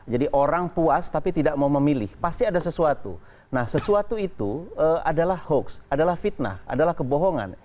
jadi orang puas tapi tidak mau memilih pasti ada sesuatu nah sesuatu itu adalah hoaks adalah fitnah adalah kebohongan